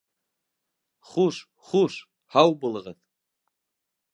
Хуш, хуш, һау булығыҙ.